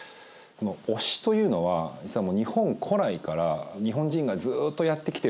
この推しというのは実はもう日本古来から日本人がずっとやってきてることで。